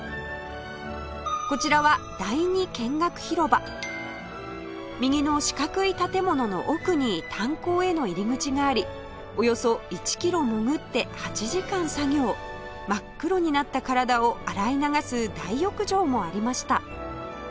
こちらは第２見学広場右の四角い建物の奥に炭鉱への入り口がありおよそ１キロ潜って８時間作業真っ黒になった体を洗い流す大浴場もありました